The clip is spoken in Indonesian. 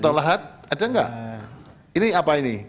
atau lahat ada nggak ini apa ini